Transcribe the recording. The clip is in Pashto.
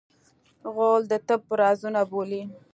غول د طب رازونه بولي.